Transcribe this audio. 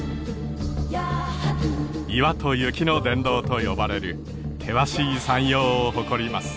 岩と雪の殿堂と呼ばれる険しい山容を誇ります。